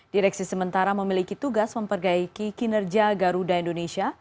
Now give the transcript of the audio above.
direksi sementara memiliki tugas memperbaiki kinerja garuda indonesia